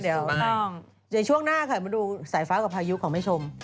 เดี๋ยวช่วงหน้าค่ะมาดูสายฟ้ากับพายุของแม่ชม